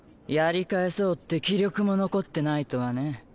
やり返そうって気力も残ってないとはね。